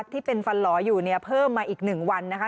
ที่เป็นฟันหล่ออยู่เนี่ยเพิ่มมาอีก๑วันนะคะ